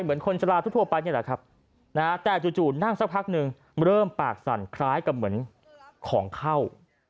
เหมือนคนชะลาทั่วไปนี่แหละครับแต่จู่นั่งสักพักหนึ่งเริ่มปากสั่นคล้ายกับเหมือนของเข้า